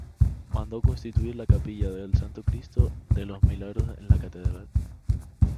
Mandó construir la actual capilla del Santo Cristo de los Milagros en la Catedral.